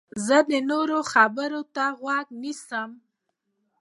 زه د نورو خبرو ته غوږ نیسم.